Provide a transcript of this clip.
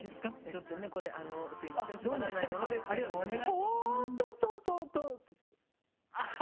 ちょっとねこれすいませんつまらないものですけどお願い。